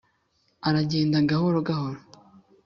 aragenda gahoro gahoro